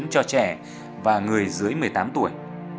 cho trẻ và người dưới một mươi tám tuổi